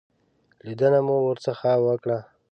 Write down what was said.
لیدنه مو ورڅخه وکړه.